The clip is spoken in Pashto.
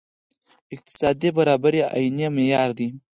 اقتصادي برابري عیني معیار دی.